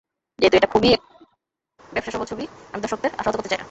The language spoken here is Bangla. যেহেতু এটা একটি খুবই ব্যবসাসফল ছবি, আমি দর্শকদের আশাহত করতে চাই না।